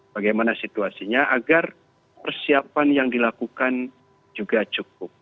bagaimana situasinya agar persiapan yang dilakukan juga cukup